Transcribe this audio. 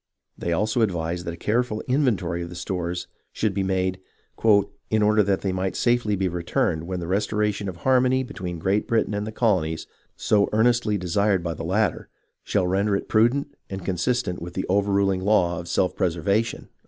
They also advised that a careful inventory of the stores should be made, " in order that they might be safely returned when the restoration of harmony between Great Britain and the colonies, so earnestly desired by the latter, shall render it prudent and consistent with the overruling law of self preservation."